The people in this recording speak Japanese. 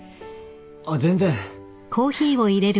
あっ全然。